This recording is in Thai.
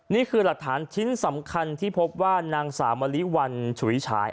นี่คือหลักฐานชิ้นสำคัญที่พบว่านางสาวมะลิวันฉุยฉาย